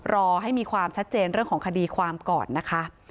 รอให้มีความชัดเจนเรื่องของคดีความก่อนนะคะ